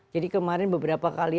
jadi kemarin beberapa hari itu